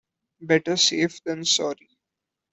Better safe than sorry.